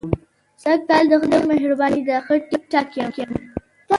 سږ کال د خدای مهرباني ده، ښه ټیک ټاک یم.